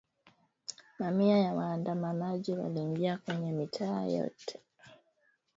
Mamia ya waandamanaji waliingia kwenye mitaa yote ya Khartoum